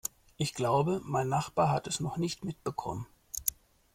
Ich glaube, mein Nachbar hat es noch nicht mitbekommen.